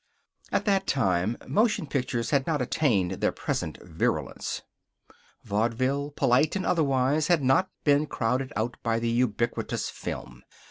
At that time motion pictures had not attained their present virulence. Vaudeville, polite or otherwise, had not yet been crowded out by the ubiquitous film.